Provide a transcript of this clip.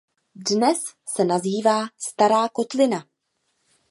Dnes se nazývá "Stará Kotlina".